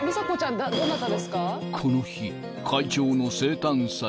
［この日］